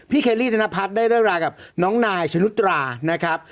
พี่เคลลี่ธนพัฒน์ได้เริ่มรักกับน้องหน่ายฉนุตรานะครับ